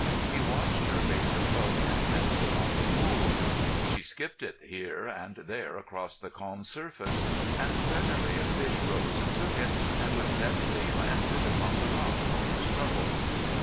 He watched her bait the hook and cast it on the pool. She skipped it here and there across the calm surface; and presently a fish rose and took it, and was deftly landed upon the rock for his trouble.